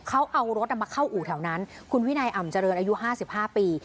เขาเอารถอันมาเข้าอู่แถวนั้นคุณวินัยอำเจริญอายุห้าสิบห้าปี